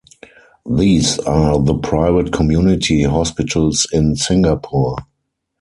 These are the private community hospitals in Singapore.